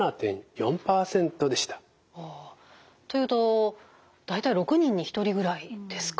というと大体６人に１人ぐらいですか。